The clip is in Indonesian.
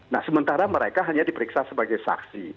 nah sementara mereka hanya diperiksa sebagai saksi